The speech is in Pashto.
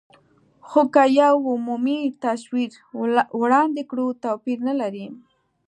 خو که یو عمومي تصویر وړاندې کړو، توپیر نه لري.